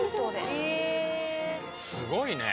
すごいね！